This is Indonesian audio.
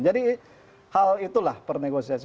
jadi hal itulah pernegosiasi